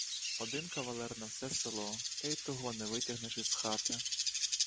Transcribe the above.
Один кавалер на все село, та й того не витягнеш із хати.